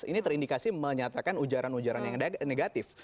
ini terindikasi menyatakan ujaran ujaran yang negatif